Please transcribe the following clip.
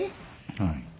はい。